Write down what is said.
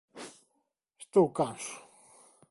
Estou canso!